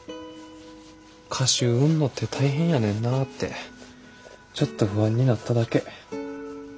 歌集売んのって大変やねんなってちょっと不安になっただけ。